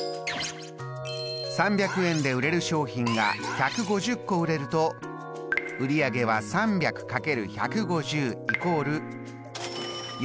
３００円で売れる商品が１５０個売れると売り上げは３００×１５０＝４万５，０００円です。